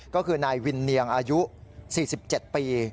ก็คือนายวินเนียงอายุ๔๗ปี